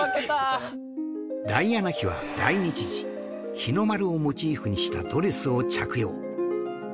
ダイアナ妃は来日時日の丸をモチーフにしたドレスを着用